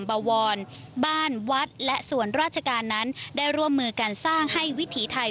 บวรบ้านวัดและส่วนราชการนั้นได้ร่วมมือการสร้างให้วิถีไทย